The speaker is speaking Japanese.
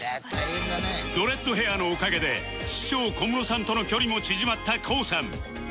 ドレッドヘアのおかげで師匠小室さんとの距離も縮まった ＫＯＯ さん